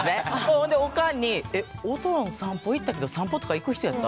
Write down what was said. ほんでオカンに「えオトン散歩行ったけど散歩とか行く人やった？」